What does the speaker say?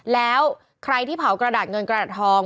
แล้วใครที่เผากระดาษเงินกระดาษทอง